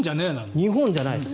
日本じゃないです。